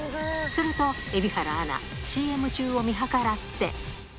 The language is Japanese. すると、蛯原アナ、ＣＭ中を見計らって。